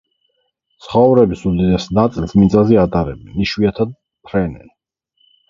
ცხოვრების უდიდეს ნაწილს მიწაზე ატარებენ, იშვიათად ფრენენ.